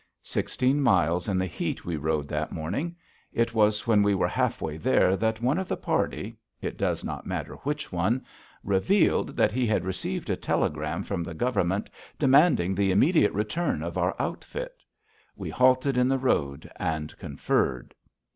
Sixteen miles in the heat we rode that morning. It was when we were halfway there that one of the party it does not matter which one revealed that he had received a telegram from the Government demanding the immediate return of our outfit. We halted in the road and conferred.